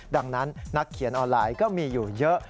ดังนั้นนักเขียนออนไลน์ก็มีอยู่เยอะ